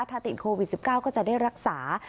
ถ้าติดโควิด๑๙ก็จะได้รักษา